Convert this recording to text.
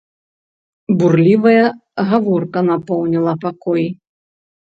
Бурлівая гаворка напоўніла пакой.